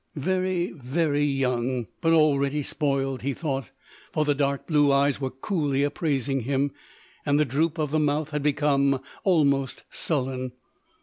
Very, very young, but already spoiled, he thought, for the dark blue eyes were coolly appraising him, and the droop of the mouth had become almost sullen.